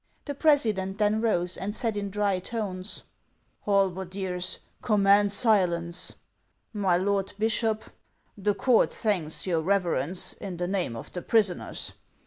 The president then rose, and said in dry tones, " Hal berdiers, command silence ! My lord bishop, the court thanks your reverence, in the name of the prisoners.